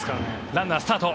ランナースタート。